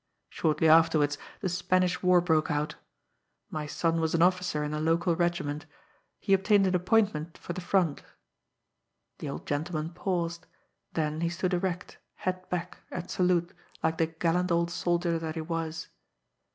Shortly afterwards the Spanish war broke out. My son was an officer in a local regiment. He obtained an appointment for the front." The old gentleman paused; then he stood erect, head back, at salute, like the gallant old soldier that he was.